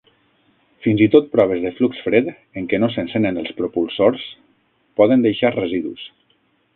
Fins i tot proves de flux fred, en què no s'encenen els propulsors, poden deixar residus.